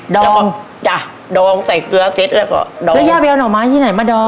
ดองจ้ะดองใส่เกลือเสร็จแล้วก็ดองแล้วย่าไปเอาห่อไม้ที่ไหนมาดอง